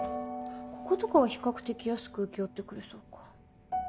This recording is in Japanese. こことかは比較的安く請け負ってくれそうか。